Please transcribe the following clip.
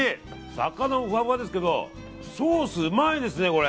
魚もふわふわですけどソースうまいですね、これ。